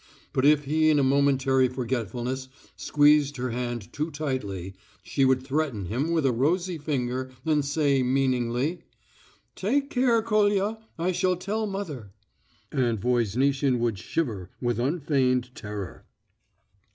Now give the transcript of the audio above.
But if he in a momentary forgetfulness squeezed her hand too tightly, she would threaten him with a rosy finger and say meaningly: "Take care, Kolya. I shall tell mother." And Voznitsin would shiver with unfeigned terror.